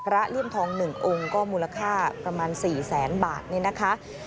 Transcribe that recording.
พระเลี่ยมทองหนึ่งองค์ก็มูลค่าประมาณ๔๐๐๐๐๐บาทนี่นะคะ